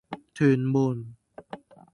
屯門